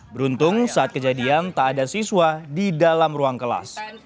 beruntung saat kejadian tak ada siswa di dalam ruang kelas